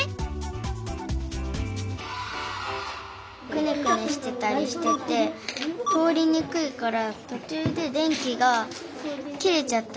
くねくねしてたりしてて通りにくいからとちゅうで電気が切れちゃったりして。